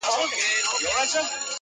سیلۍ نامردي ورانوي آباد کورونه؛